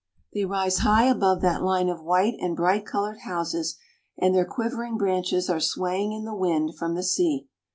They rise high above that line of white and bright colored houses, and their quivering branches are swaying in the wind from the sea.